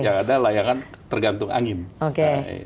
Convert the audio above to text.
gak ada layangan tergantung angin oke